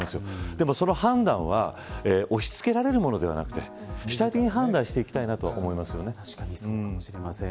でも、その判断は押し付けられるものではなくて主体的に判断していきたいな確かにそうかもしれません。